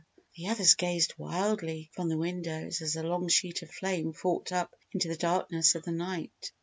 The others gazed wildly from the windows as a long sheet of flame forked up into the darkness of the night.